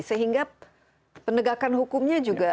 sehingga penegakan hukumnya juga